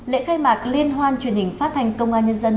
lễ khai mạc liên hoan truyền hình phát thanh công an nhân dân